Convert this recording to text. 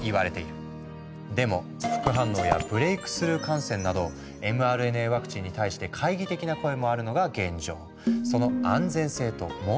でも副反応やブレイクスルー感染などｍＲＮＡワクチンに対して懐疑的な声もあるのが現状。